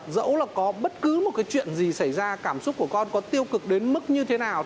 dẫu là có bất cứ một cái chuyện gì xảy ra cảm xúc của con có tiêu cực đến mức như thế nào